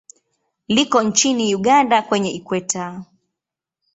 Liko nchini Uganda kwenye Ikweta.